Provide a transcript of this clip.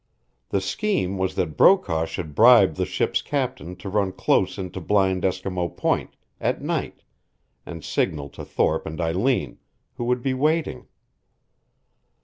The scheme was that Brokaw should bribe the ship's captain to run close into Blind Eskimo Point, at night, and signal to Thorpe and Eileen, who would be waiting.